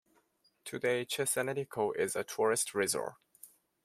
Today Cesenatico is a tourist resort.